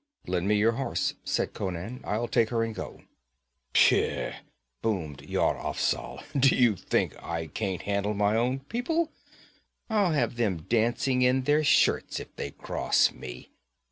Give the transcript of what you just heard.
'Lend me your horse,' said Conan. 'I'll take her and go.' 'Pish!' boomed Yar Afzal. 'Do you think I can't handle my own people? I'll have them dancing in their shirts if they cross me!